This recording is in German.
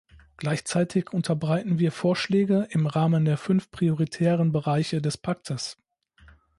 Gleichzeitig unterbreiten wir Vorschläge im Rahmen der fünf prioritären Bereiche des Paktes.